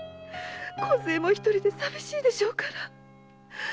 こずえも一人で寂しいでしょうから。